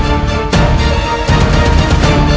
apa yang dilakukan